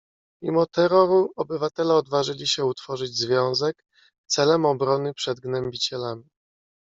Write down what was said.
"Mimo terroru, obywatele odważyli się utworzyć związek, celem obrony przed gnębicielami."